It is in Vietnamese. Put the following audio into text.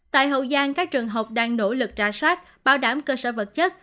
tại hậu giang các trường học đang nỗ lực trả soát bảo đảm cơ sở vật chất